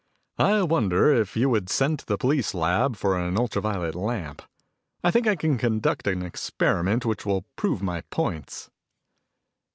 "I wonder if you'd send to the police lab for an ultra violet lamp? I think I can conduct an experiment which will prove my points."